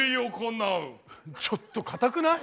ちょっとかたくない？